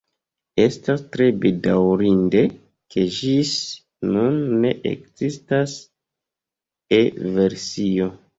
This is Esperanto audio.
Estas tre bedaŭrinde ke ĝis nun ne ekzistas E-versio.